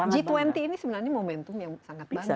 g dua puluh ini sebenarnya momentum yang sangat bagus